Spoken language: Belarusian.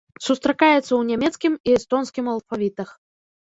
Сустракаецца ў нямецкім і эстонскім алфавітах.